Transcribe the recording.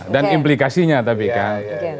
dan implikasinya tapi kan